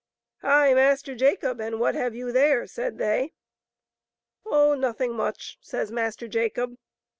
" Hi ! Master Jacob, and what have you there?" said they. " Oh, nothing much, says Master Jacob.